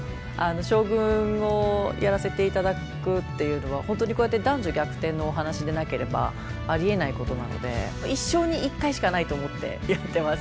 将軍をやらせて頂くっていうのは本当にこうやって男女逆転のお話でなければありえないことなので一生に一回しかないと思ってやってます。